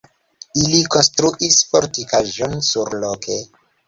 Ili konstruis fortikaĵon surloke.